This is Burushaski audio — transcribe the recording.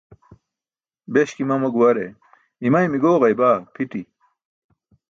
Beśki mama guware, imaymi gooġaybaa pʰiṭi.